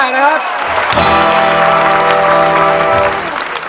นะครับ